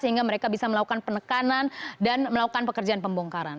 sehingga mereka bisa melakukan penekanan dan melakukan pekerjaan pembongkaran